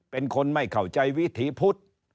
เป็นคนไม่เข้าใจวิถีพุทธ